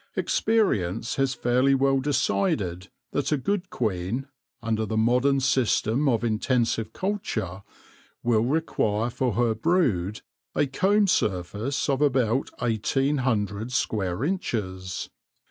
Experience has fairly well decided that a good queen, under the modern system of intensive culture, will require for her brood a comb surface of about 1,800 square inches.